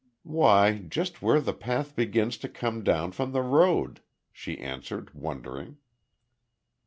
"Why, just where the path begins to come down from the road," she answered, wondering.